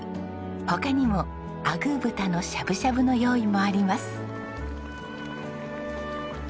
他にもあぐー豚のしゃぶしゃぶの用意もあります。